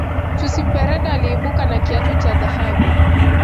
chus pereda aliibuka na kiatu cha dhahabu